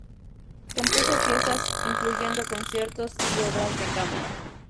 Compuso piezas, incluyendo conciertos y obras de cámara.